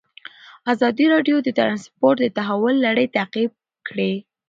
ازادي راډیو د ترانسپورټ د تحول لړۍ تعقیب کړې.